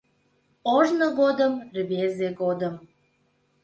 Ожно годым, рвезе годым